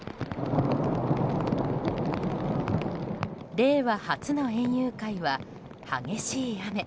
令和初の園遊会は激しい雨。